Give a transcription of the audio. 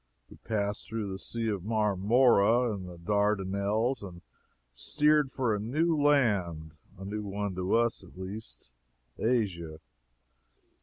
We passed through the Sea of Marmora and the Dardanelles, and steered for a new land a new one to us, at least Asia.